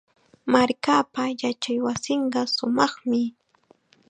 Markaapa yachaywasinqa shumaqmi.